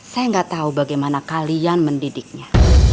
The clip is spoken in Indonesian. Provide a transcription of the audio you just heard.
saya nggak tahu bagaimana kalian mendidiknya